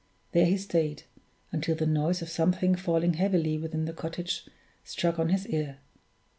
There he stayed, until the noise of something falling heavily within the cottage struck on his ear.